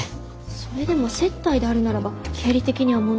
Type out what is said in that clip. それでも接待であるならば経理的には問題ないかと。